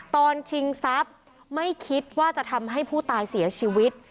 ชิงทรัพย์ไม่คิดว่าจะทำให้ผู้ตายเสียชีวิต